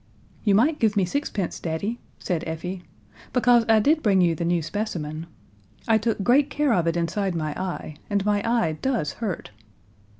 "You might give me sixpence, Daddy," said Effie, "because I did bring you the new specimen. I took great care of it inside my eye, and my eye does hurt."